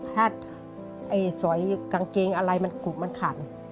ถ้าไอ้สอยกางเกงอะไรมันกรุบมันขัน